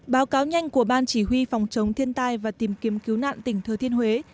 báo cáo nhanh của ban chỉ huy phòng chống thiên tai và tìm kiếm cứu nạn tỉnh thừa thiên huế